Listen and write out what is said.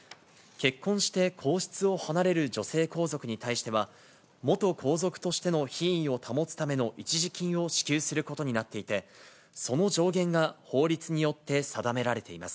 結婚して皇室を離れる女性皇族に対しては、元皇族としての品位を保つための一時金を支給することになっていて、その上限が法律によって定められています。